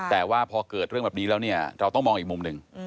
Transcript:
แต่ว่าพอเกิดเรื่องแบบนี้แล้วเนี่ยเราต้องมองอีกมุมหนึ่ง